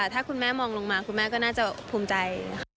ถ้าคุณแม่มองลงมาคุณแม่ก็น่าจะภูมิใจค่ะ